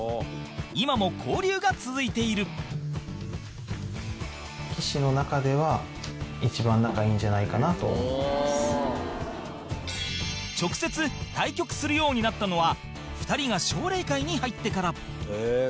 今も交流が続いている直接対局するようになったのは２人が奨励会に入ってから伊達：へえー！